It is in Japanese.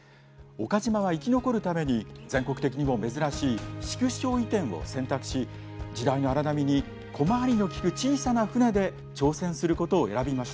岡島は生き残るために全国的にも珍しい縮小移転を選択し時代の荒波に小回りの利く小さな船で挑戦することを選びました。